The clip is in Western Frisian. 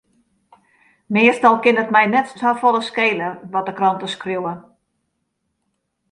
Meastal kin it my net safolle skele wat de kranten skriuwe.